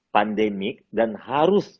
pandemik dan harus